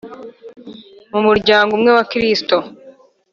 mu muryango umwe wa Kristo